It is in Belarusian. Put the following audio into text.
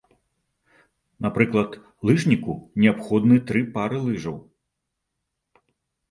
Напрыклад, лыжніку неабходны тры пары лыжаў.